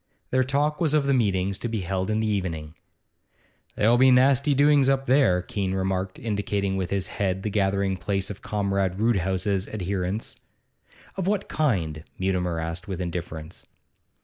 Their talk was of the meetings to be held in the evening. 'There'll be nasty doings up there,' Keene remarked, indicating with his head the gathering place of Comrade Roodhouse's adherents. 'Of what kind?' Mutimer asked with indifference.